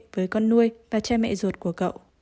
với con nuôi và cha mẹ ruột của cậu